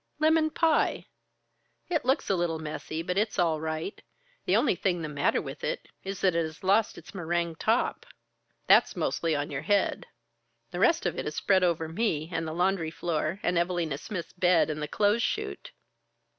"Lemon pie. It looks a little messy but it's all right. The only thing the matter with it is that it has lost its meringue top. That's mostly on your head. The rest of it is spread over me and the laundry floor and Evalina Smith's bed and the clothes chute."